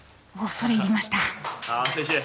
恐れ入りました。